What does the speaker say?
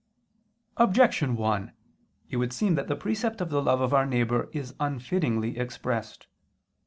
Objection 1: It would seem that the precept of the love of our neighbor is unfittingly expressed.